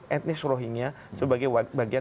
etnis rohingya sebagai bagian